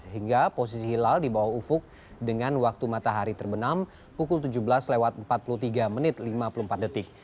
hingga posisi hilal di bawah ufuk dengan waktu matahari terbenam pukul tujuh belas lewat empat puluh tiga menit lima puluh empat detik